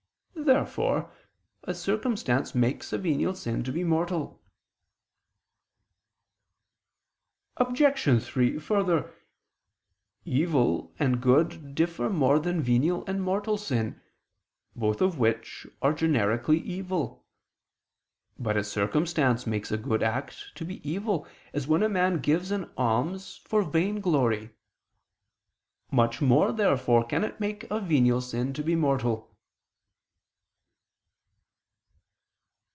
Therefore a circumstance makes a venial sin to be mortal. Obj. 3: Further, evil and good differ more than venial and mortal sin, both of which are generically evil. But a circumstance makes a good act to be evil, as when a man gives an alms for vainglory. Much more, therefore, can it make a venial sin to be mortal.